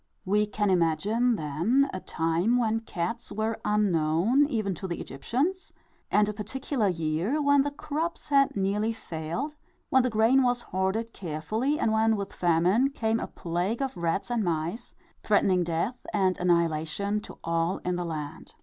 We can imagine, then, a time when cats were unknown even to the Egyptians, and a particular year, when the crops had nearly failed, when the grain was hoarded carefully, and when, with famine, came a plague of rats and mice, threatening death and annihilation to all in the land.